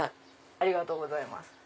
ありがとうございます。